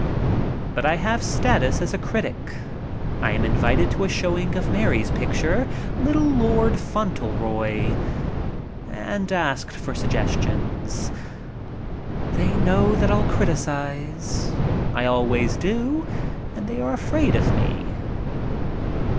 But I still have status as a critic. I am invited to a showing of Mary's picture, "Little Lord Fauntleroy," and asked for suggestions. They know that I'll criticize. I always do and they are afraid of me.